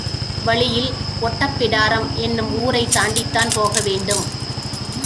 வழியில் ஒட்டப்பிடாரம் என்னும் ஊரைத் தாண்டிதான் போக வேண்டும்.